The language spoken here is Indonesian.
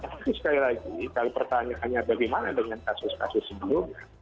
tapi sekali lagi kalau pertanyaannya bagaimana dengan kasus kasus sebelumnya